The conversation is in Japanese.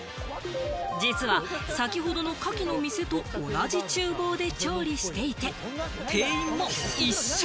実は先ほどのカキの店と同じ厨房で調理していて店員も一緒。